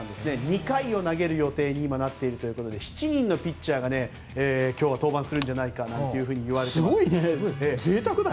２回を投げる予定に今なっているということで７人のピッチャーが今日は登板するんじゃないかといわれていますが。